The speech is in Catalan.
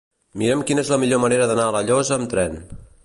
Mira'm quina és la millor manera d'anar a La Llosa amb tren.